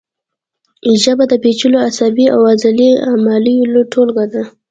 ژبه د پیچلو عصبي او عضلي عملیو ټولګه ده